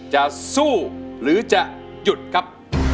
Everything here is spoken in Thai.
จะสู้หรือจะหยุดครับ